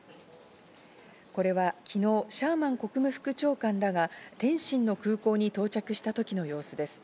これは昨日、シャーマン国務副長官らが、天津の空港に到着した時の様子です。